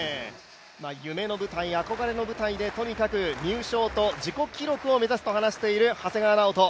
夢の舞台、憧れの舞台で入賞と自己記録を目指すと話している長谷川直人。